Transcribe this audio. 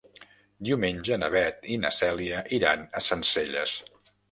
Diumenge na Beth i na Cèlia iran a Sencelles.